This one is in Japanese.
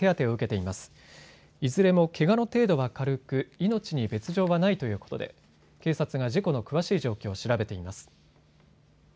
いずれも、けがの程度は軽く命に別状はないということで警察が事故の詳しい状況を調べています。